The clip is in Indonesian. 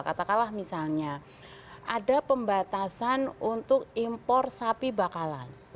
katakanlah misalnya ada pembatasan untuk impor sapi bakalan